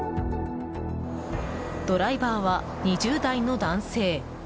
ドライバーは、２０代の男性。